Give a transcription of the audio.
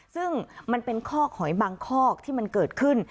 ซึ่งมันเป็นข้อหอยบางคอกที่มันเกิดขึ้น